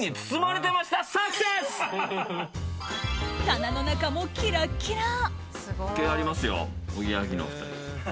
棚の中もキラッキラ。